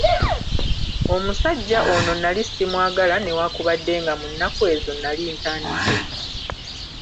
Omusajja ono nali simwagala newakubadde nga mu nnaku ezo nali ntandise.